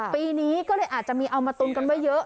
ปีนี้ก็เลยอาจจะมีเอามาตุนกันไว้เยอะ